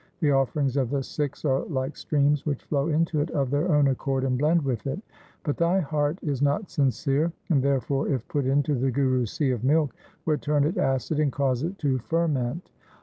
The offerings of the Sikhs are like streams which flow into it of their own accord, and blend with it. But thy heart is not sincere, and therefore, if put into the Guru's sea of milk, would turn it acid and cause it to fer ment.'